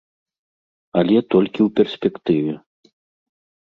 Але толькі ў перспектыве.